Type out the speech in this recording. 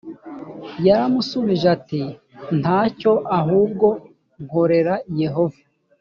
yaramushubije ati nta cyo ahubwo nkorera yehova